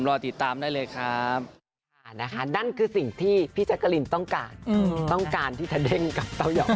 รอติดตามได้เลยครับ